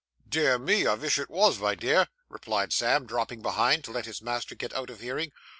'Dear me I vish it vos, my dear,' replied Sam, dropping behind, to let his master get out of hearing.